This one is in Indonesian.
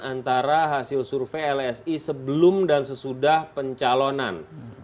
antara hasil survei lsi sebelum dan sesudah pencalonan